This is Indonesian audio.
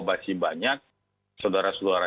masih banyak saudara saudara